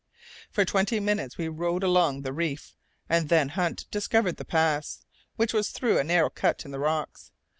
For twenty minutes we rowed along the reef, and then Hunt discovered the pass, which was through a narrow cut in the rocks.